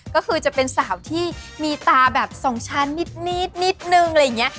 ก็คือจะเป็นสาวที่มีตาแบบสองชั้นนิดนึงอะไรอย่างนี้